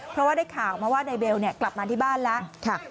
เพราะว่าได้ข่าวมาว่านายเบลกลับมาที่บ้านแล้ว